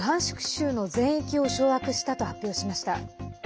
州の全域を掌握したと発表しました。